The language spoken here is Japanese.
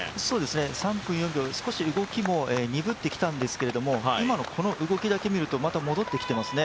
３分４秒、少し動きも鈍ってきたんですけれども今のこの動きだけ見ると、また戻ってきていますね。